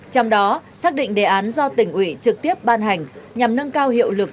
trong đó xác định đề án do tỉnh ủy trực tiếp ban hành nhằm nâng cao hiệu lực